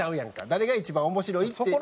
誰が一番面白いっていう。